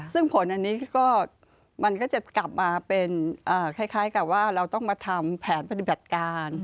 ซึ่งผลอันนี้ก็มันก็จะกลับมาเป็นคล้ายกับว่าเราต้องมาทำแผนปฏิบัติการ